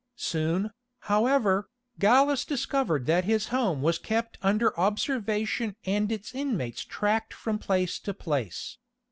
Soon, however, Gallus discovered that his home was kept under observation and its inmates tracked from place to place.